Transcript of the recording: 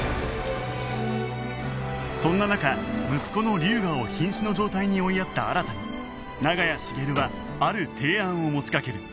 そんな中息子の龍河を瀕死の状態に追いやった新に長屋茂はある提案を持ちかける